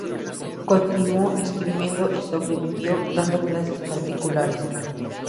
Continuó escribiendo y sobrevivió dando clases particulares.